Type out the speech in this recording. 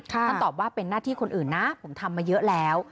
ท่านตอบว่าเป็นหน้าที่คนอื่นนะผมทำมาเยอะแล้ว